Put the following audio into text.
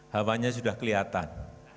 hawanya sudah kelihatan